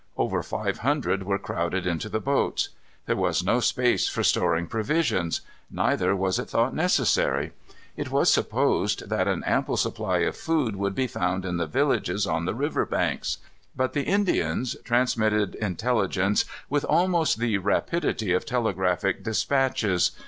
Over five hundred were crowded into the boats. There was no space for storing provisions; neither was it thought necessary. It was supposed that an ample supply of food would be found in the villages on the river banks. But the Indians transmitted intelligence with almost the rapidity of telegraphic dispatches.